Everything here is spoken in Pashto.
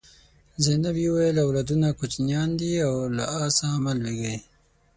زینبې وویل اولادونه کوچنیان دي له آسه مه لوېږئ.